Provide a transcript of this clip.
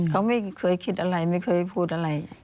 เขาไม่เคยคิดอะไรไม่เคยพูดอะไร